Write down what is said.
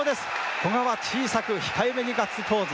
古賀は小さく控えめにガッツポーズ。